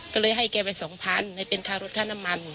ก็เลยให้ไอ้ไก่ไปสองพันให้เป็นข้ารถข้านำมัน